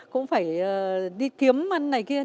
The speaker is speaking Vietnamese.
cũng phải đi kiếm ăn này kia